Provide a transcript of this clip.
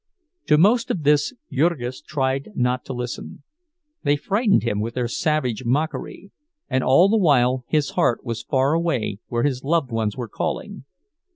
To most of this Jurgis tried not to listen. They frightened him with their savage mockery; and all the while his heart was far away, where his loved ones were calling.